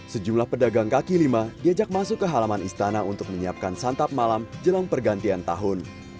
sejumlah pedagang kaki lima diajak masuk ke halaman istana untuk menyiapkan santap malam jelang pergantian tahun